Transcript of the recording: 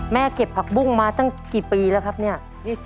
เก็บผักบุ้งมาตั้งกี่ปีแล้วครับเนี่ย